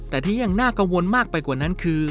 แต่ที่ยังน่ากังวลมากไปกว่านั้นคือ